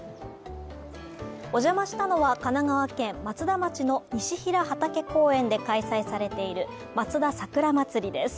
お邪魔したのは神奈川県松田町の西平畑公園で開催されているまつだ桜まつりです。